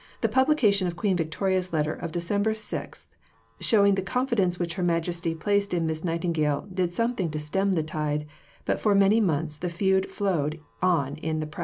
The publication of Queen Victoria's letter of December 6 (p. 215), showing the confidence which Her Majesty placed in Miss Nightingale, did something to stem the tide, but for many months the feud flowed on in the press.